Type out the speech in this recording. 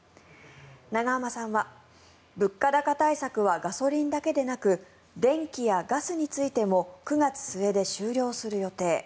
永濱さんは、物価高対策はガソリンだけでなく電気やガスについても９月末で終了する予定。